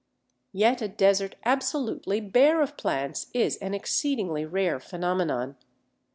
Yet a desert absolutely bare of plants is an exceedingly rare phenomenon.